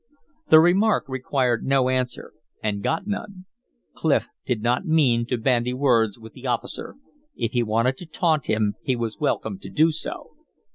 The remark required no answer, and got none. Clif did not mean to bandy words with the officer; if he wanted to taunt him he was welcome to do so.